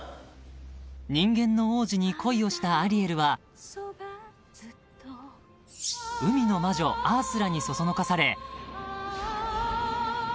［人間の王子に恋をしたアリエルは海の魔女アースラに唆され］